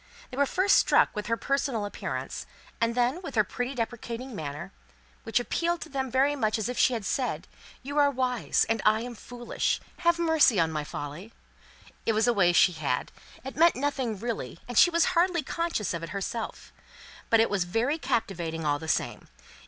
They were first struck with her personal appearance; and then with her pretty deprecating manner, which appealed to them much as if she had said, "You are wise, and I am foolish have mercy on my folly." It was a way she had; it meant nothing really; and she was hardly conscious of it herself; but it was very captivating all the same.